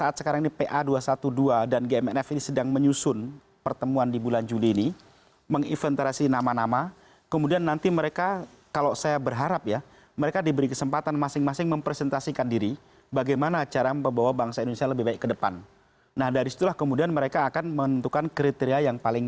terkait dengan pencalonan beberapa nama berikut nama dirinya pada pilpres mendatang